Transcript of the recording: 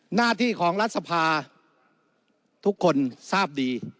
หน้าที่ของรัฐสภาทุกคนทราบดี